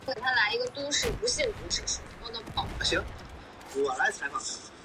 小黑毛肩长蝽为长蝽科毛肩长蝽属下的一个种。